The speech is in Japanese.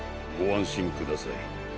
ご安心ください。